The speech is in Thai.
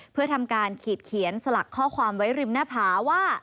เพื่อทำการขีดเขียนสลักข้อความไว้ริมหน้าผาว่า